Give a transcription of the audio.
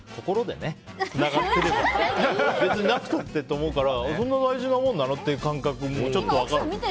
思うからそんな大事なものなの？っていう感覚もちょっと分かる。